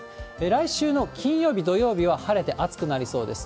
来週の金曜日、土曜日は晴れて暑くなりそうです。